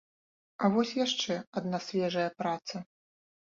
А вось яшчэ адна свежая праца.